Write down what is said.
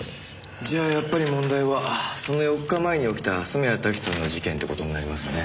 じゃあやっぱり問題はその４日前に起きた染谷タキさんの事件って事になりますね。